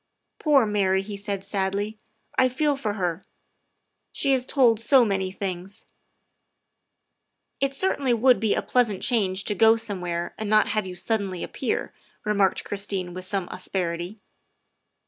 " Poor Mary," he said sadly, " I feel for her; she is told so many things. '' THE SECRETARY OF STATE 45 " It certainly would be a pleasant change to go some where and not have you suddenly appear," remarked Christine with some asperity.